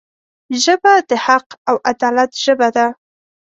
ژبه د حق او عدالت ژبه ده